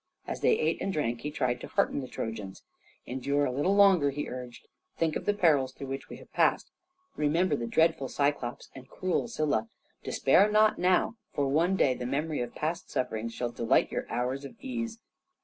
As they ate and drank, he tried to hearten the Trojans. "Endure a little longer," he urged. "Think of the perils through which we have passed, remember the dreadful Cyclôpes and cruel Scylla. Despair not now, for one day the memory of past sufferings shall delight your hours of ease.